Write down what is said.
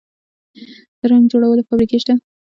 د رنګ جوړولو فابریکې شته